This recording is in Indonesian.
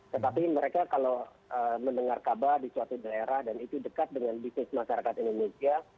tetapi mereka kalau mendengar kabar di suatu daerah dan itu dekat dengan bisnis masyarakat indonesia